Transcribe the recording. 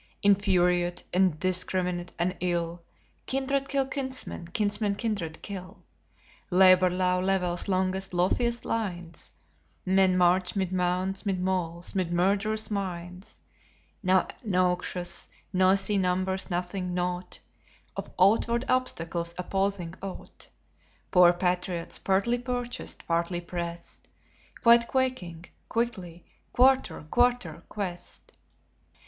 Infuriate, indiscrminate in ill, Kindred kill kinsmen, kinsmen kindred kill. Labor low levels longest, lofiest lines; Men march 'mid mounds, 'mid moles, ' mid murderous mines; Now noxious, noisey numbers nothing, naught Of outward obstacles, opposing ought; Poor patriots, partly purchased, partly pressed, Quite quaking, quickly "Quarter! Quarter!" quest.